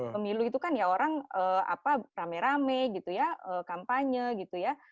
pemilu itu kan ya orang rame rame gitu ya kampanye gitu ya